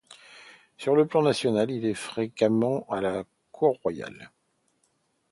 Sur le plan national, il est fréquemment à la cour royale.